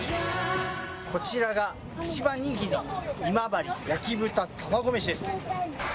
こちらが一番人気の今治焼豚玉子飯です。